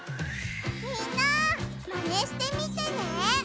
みんなマネしてみてね！